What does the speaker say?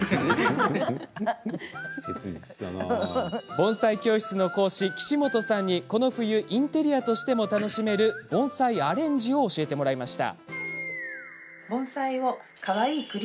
盆栽教室の講師・岸本さんにこの冬インテリアとしても楽しめる盆栽アレンジを教えてもらいました。